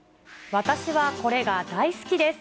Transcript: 私はこれが大好きです。